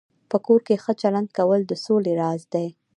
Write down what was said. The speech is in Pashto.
په کور کې ښه چلند کول د سولې راز دی.